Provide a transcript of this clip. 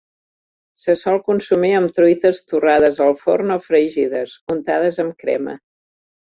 Se sol consumir amb truites torrades al forn o fregides, untades amb crema.